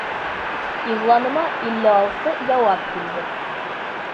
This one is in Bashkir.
Иғланыма илле алты яуап килде!